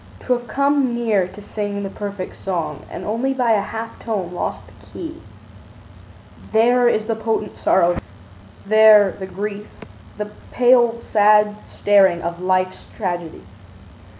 To have come near to sing the perfect song And only by a half tone lost the key, There is the potent sorrow, there the grief, The pale, sad staring of life's tragedy.